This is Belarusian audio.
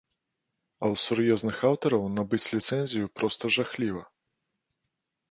А ў сур'ёзных аўтараў набыць ліцэнзію проста жахліва.